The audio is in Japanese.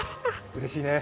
うれしいね。